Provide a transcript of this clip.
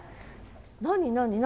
何何？